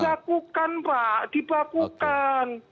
kemudian sistem itu dijagukan pak